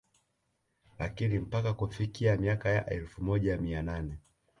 Lakini mpaka kufikia miaka ya elfu moja mia nane